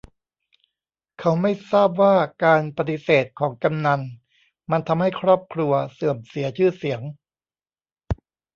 เขาไม่ทราบว่าการปฏิเสธของกำนัลมันทำให้ครอบครัวเสื่อมเสียชื่อเสียง